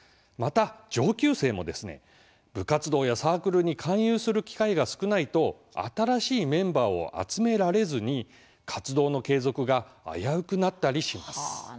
また、上級生も部活動やサークルに勧誘する機会が少ないと新しいメンバーを集められずに活動の継続が危うくなったりします。